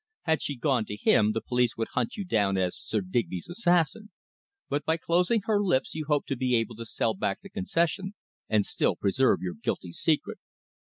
Had she gone to him, the police would hunt you down as Sir Digby's assassin. But by closing her lips you hoped to be able to sell back the concession and still preserve your guilty secret."